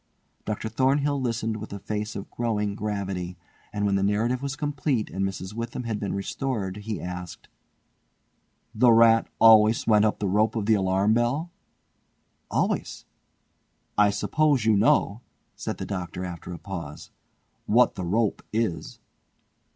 Dr. Thornhill listened with a face of growing gravity, and when the narrative was complete and Mrs. Witham had been restored he asked: "The rat always went up the rope of the alarm bell?" "Always." "I suppose you know," said the Doctor after a pause, "what the rope is?"